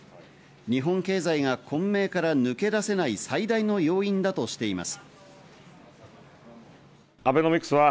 日本経済が混迷から抜け出せない最大の要因だとしています。